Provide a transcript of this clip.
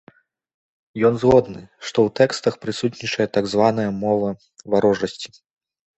Ён згодны, што ў тэкстах прысутнічае так званая мова варожасці.